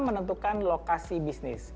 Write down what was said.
membentukkan lokasi bisnis